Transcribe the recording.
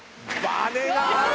バネがある！